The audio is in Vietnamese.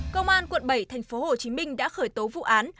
công an quận bảy tp hcm đã khởi tố vụ án